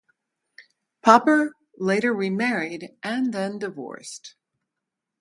Popper later remarried and then divorced.